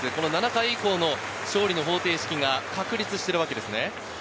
７回以降の勝利の方程式が確立しているわけですね。